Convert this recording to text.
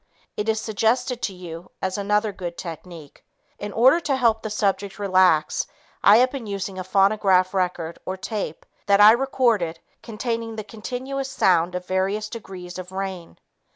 It is suggested to you as another good technique. In order to help the subject relax, I have been using a phonograph record or tape that I recorded containing the continuous sound of various degrees of rain.